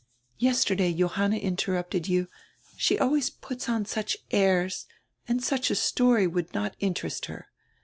Yesterday Johanna interrupted you. She always puts on such airs, and such a story would not inter est her.